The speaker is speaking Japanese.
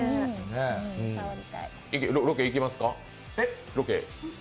ロケ、行きますか？